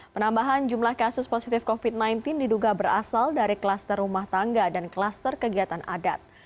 penambahan jumlah kasus positif covid sembilan belas diduga berasal dari kluster rumah tangga dan kluster kegiatan adat